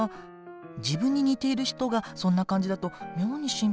自分に似ている人がそんな感じだと妙に心配になるわね。